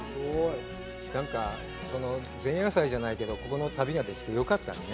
前夜祭じゃないけど、この旅ができてよかったね。